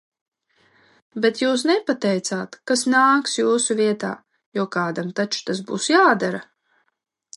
Bet jūs nepateicāt, kas nāks jūsu vietā, jo kādam taču tas būs jādara.